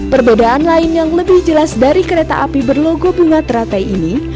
perbedaan lain yang lebih jelas dari kereta api berlogo bunga teratai ini